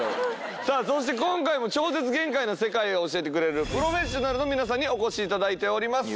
さあそして今回も超絶限界の世界を教えてくれるプロフェッショナルの皆さんにお越しいただいております。